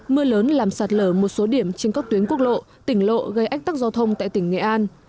mưa lớn làm sạt lở một số điểm trên các tuyến quốc lộ tỉnh lộ gây ách tắc giao thông tại tỉnh nghệ an